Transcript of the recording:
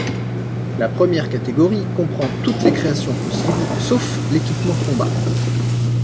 L a première catégorie comprend toutes les créations possibles sauf l’équipement de combat.